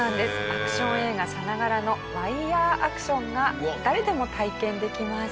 アクション映画さながらのワイヤーアクションが誰でも体験できます。